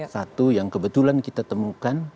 satu yang kebetulan kita temukan